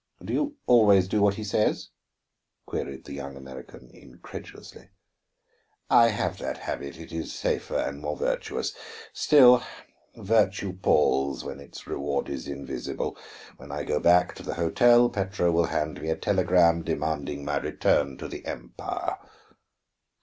"Do you always do what he says?" queried the young America incredulously. "I have that habit; it is safer, and more virtuous. Still, virtue palls when its reward is invisible. When I go back to the hotel, Petro will hand me a telegram demanding my return to the Empire."